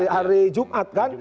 hari jumat kan